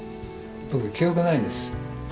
僕記憶ないんです。